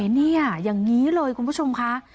นี่อย่างนี้เลยคุณผู้ชมค่ะ